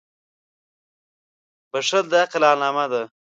• بښل د عقل علامه ده.